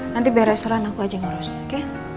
nanti biar restoran aku aja yang urus oke